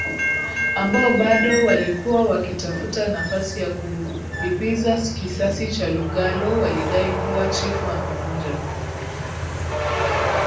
ambao bado walikuwa wakitafuta nafasi ya kulipiza kisasi cha Lugalo walidai kuwa chifu amevunja